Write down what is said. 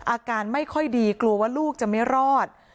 อาการไม่ค่อยดีกลัวว่าลูกจะไม่รอด